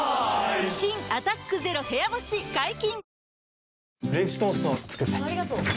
新「アタックＺＥＲＯ部屋干し」解禁‼